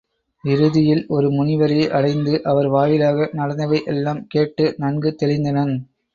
இறுதியில் ஒரு முனிவரை அடைந்து அவர் வாயிலாக நடந்தவை எல்லாம் கேட்டு நன்கு தெளிந்தனன்.